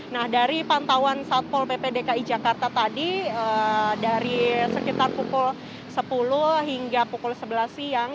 nah dari pantauan satpol pp dki jakarta tadi dari sekitar pukul sepuluh hingga pukul sebelas siang